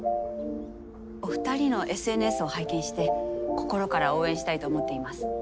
お二人のＳＮＳを拝見して心から応援したいと思っています。